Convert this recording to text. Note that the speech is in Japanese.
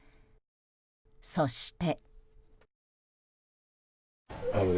そして。